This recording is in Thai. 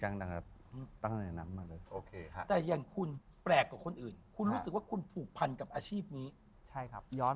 จังทำจริงจังตั้งแต่อย่างคุณแปลกกับคนอื่นคุณรู้สึกว่าคุณผูกพันกับอาชีพนี้ใช่ครับย้อน